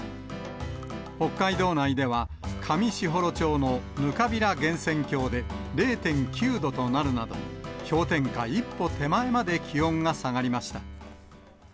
北海道内では、上士幌町のぬかびら源泉郷で０．９度となるなど、氷点下一歩手前まで気温が下がりました。